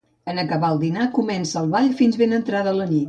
En acabar el dinar comença el ball fins ben entrada la nit.